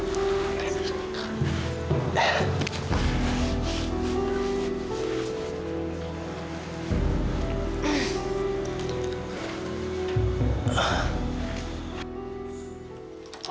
gerak mencintai hp